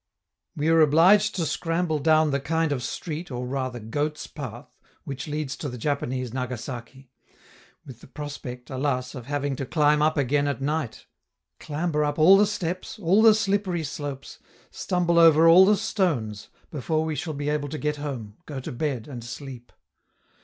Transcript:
We are obliged to scramble down the kind of street, or rather goat's path, which leads to the Japanese Nagasaki with the prospect, alas! of having to climb up again at night; clamber up all the steps, all the slippery slopes, stumble over all the stones, before we shall be able to get home, go to bed, and sleep.